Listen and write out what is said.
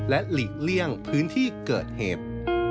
และหลีกเลี่ยงพื้นที่เกิดเหตุ